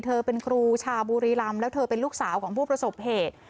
เธอเป็นครูชาวบุรีรำแล้วเธอเป็นลูกสาวของผู้ประสบเหตุ